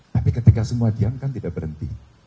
tapi ketika semua diam kan tidak berhenti